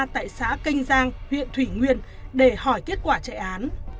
tại xã kênh giang huyện thủy nguyên để hỏi kết quả chạy án